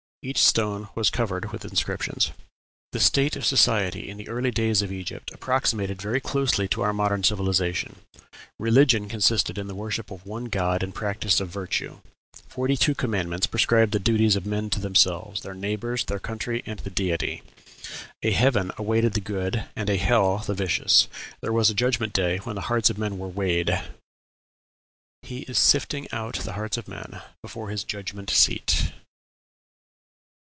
Every stone was covered with inscriptions. The state of society in the early days of Egypt approximated very closely to our modern civilization. Religion consisted in the worship of one God and the practice of virtue; forty two commandments prescribed the duties of men to themselves, their neighbors, their country, and the Deity; a heaven awaited the good and a hell the vicious; there was a judgment day when the hearts of men were weighed: "He is sifting out the hearts of men Before his judgment seat."